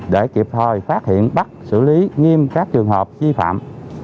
để kịp thời phát hiện bắt xử lý nghiêm các trường hợp vi phạm